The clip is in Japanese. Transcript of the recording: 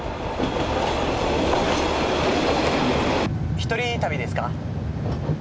一人旅ですか？